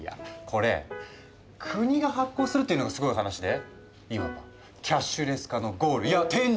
これ国が発行するっていうのがすごい話でいわばキャッシュレス化のゴールいや天竺。